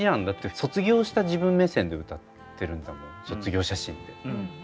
だって卒業した自分目線で歌ってるんだもん「卒業写真」って。